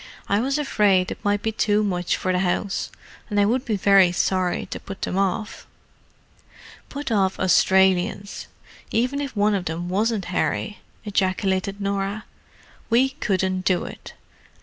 "I was afraid it might be too much for the house; and I would be very sorry to put them off." "Put off Australians, even if one of them wasn't Harry!" ejaculated Norah. "We couldn't do it!